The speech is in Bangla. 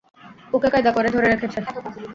ওকে কায়দা করে ধরে রেখেছে।